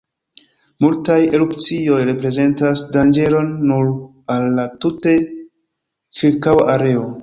Multaj erupcioj reprezentas danĝeron nur al la tute ĉirkaŭa areo.